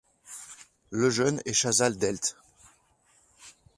Lejeune et Chazal delt.